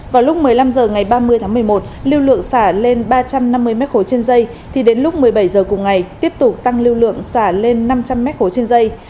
vào lúc một mươi năm h ngày ba mươi tháng một mươi một lưu lượng xả lên ba trăm năm mươi m ba trên dây thì đến lúc một mươi bảy h cùng ngày tiếp tục tăng lưu lượng xả lên năm trăm linh m ba trên dây